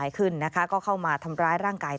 มันเกิดเหตุเป็นเหตุที่บ้านกลัว